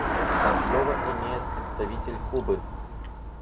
Слово имеет представитель Кубы.